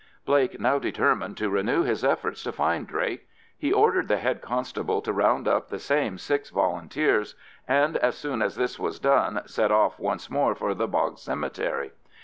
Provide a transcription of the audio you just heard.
Blake now determined to renew his efforts to find Drake. He ordered the Head Constable to round up the same six Volunteers, and as soon as this was done set off once more for the bog cemetery.